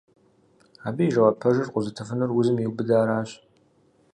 Абы и жэуап пэжыр къозытыфынур узым иубыдаращ.